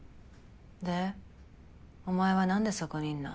でお前はなんでそこにいんの？